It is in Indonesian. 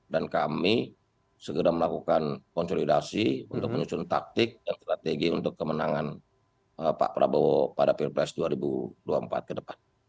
dan kami segera melakukan konsolidasi untuk menyusun taktik dan strategi untuk kemenangan pak prabowo pada pilpres dua ribu dua puluh empat ke depan